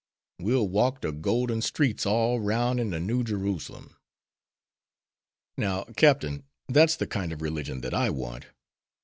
We'll walk de golden streets all 'roun' in de New Jerusalem.' Now, Captain, that's the kind of religion that I want.